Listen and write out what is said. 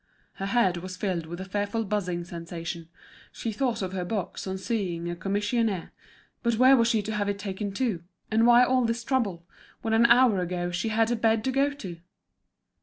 Her head was filled with a fearful buzzing sensation, she thought of her box on seeing a commissionaire; but where was she to have it taken to, and why all this trouble, when an hour ago she had a bed to go to?